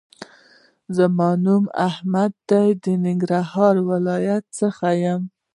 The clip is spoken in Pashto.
زما نوم احمد دې او ننګرهار ولایت څخه یم